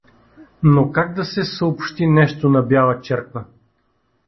Но как да се съобщи нещо на Бяла черква?